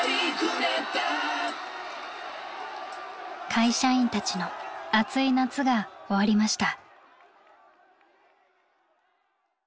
会社員たちの熱い夏が終わりました。